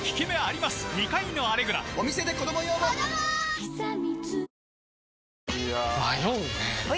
いや迷うねはい！